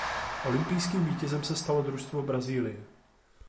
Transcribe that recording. Olympijským vítězem se stalo družstvo Brazílie.